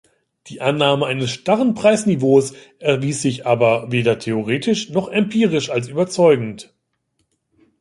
Die Annahme eines starren Preisniveaus erwies sich aber weder theoretisch noch empirisch als überzeugend.